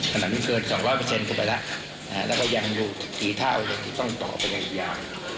ขนาดนี้เกินสองร้อยเปอร์เซ็นต์ขึ้นไปละอ่าแล้วก็ยังอยู่กี่เท่าที่ต้องต่อไปกันอีกอย่าง